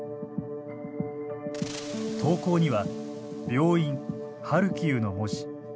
投稿には病院ハルキウの文字。